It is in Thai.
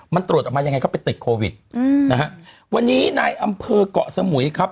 มันตรวจออกมายังไงก็ไปติดโควิดอืมนะฮะวันนี้นายอำเภอกเกาะสมุยครับ